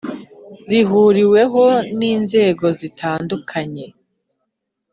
rihuriweho n’inzego zitandukanye